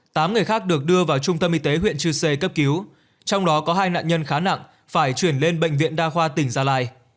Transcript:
tám người khác được đưa vào trung tâm y tế huyện chư sê cấp cứu trong đó có hai nạn nhân khá nặng phải chuyển lên bệnh viện đa khoa tỉnh gia lai